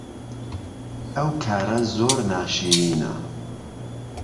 ئەوکارە زۆر ناشیرینە